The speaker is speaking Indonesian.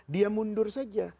dia mundur saja